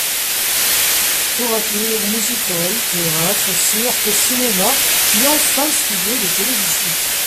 Tour-à-tour music-hall, théâtre, cirque, cinéma puis enfin studios de télévision.